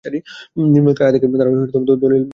নিম্নোক্ত আয়াত থেকে তারা দলীল গ্রহণ করেন।